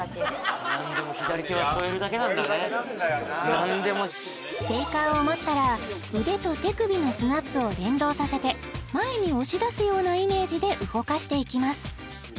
あいている手をシェイカーを持ったら腕と手首のスナップを連動させて前に押し出すようなイメージで動かしていきます